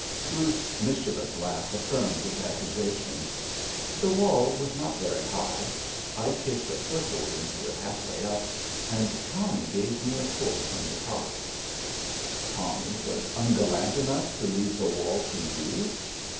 '" Ruth's mischievous laugh affirmed his accusation. "The wall was not very high I kicked a foothold into it half way up, and Tommy gave me a pull from the top." "Tommy was ungallant enough to leave the wall to you?"